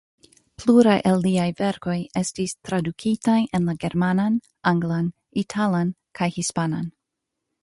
Pluraj el liaj verkoj estis tradukitaj en la germanan, anglan, italan kaj hispanan.